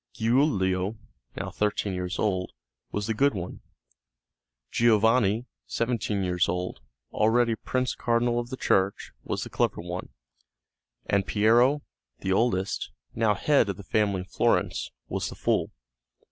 Giulio, now thirteen years old, was the good one; Giovanni, seventeen years old, already a Prince Cardinal of the Church, was the clever one, and Piero, the oldest, now head of the family in Florence, was the fool.